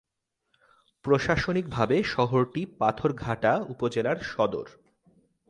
প্রশাসনিকভাবে শহরটি পাথরঘাটা উপজেলার সদর।